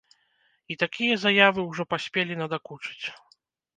І такія заявы ўжо паспелі надакучыць.